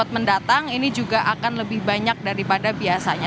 dua ribu dua puluh empat mendatang ini juga akan lebih banyak daripada biasanya